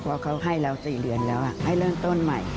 เพราะเขาให้เรา๔เดือนแล้วให้เริ่มต้นใหม่